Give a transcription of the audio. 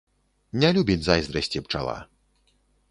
Не любіць зайздрасці пчала